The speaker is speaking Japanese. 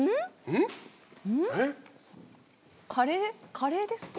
カレーですか？